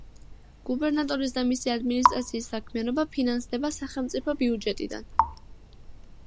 გუბერნატორის და მისი ადმინისტრაციის საქმიანობა ფინანსდება სახელმწიფო ბიუჯეტიდან.